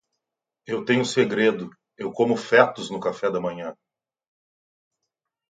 Eu tenho um segredo: eu como fetos no café da manhã.